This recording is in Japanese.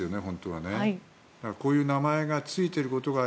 だからこういう名前がついていることが